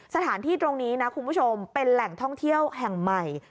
สถานที่ตรงนี้นะคุณผู้ชมเป็นแหล่งท่องเที่ยวแห่งใหม่